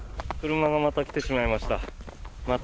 車がまた来てしまいました。